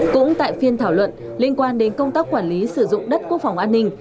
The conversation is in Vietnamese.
cũng tại phiên thảo luận liên quan đến công tác quản lý sử dụng đất quốc phòng an ninh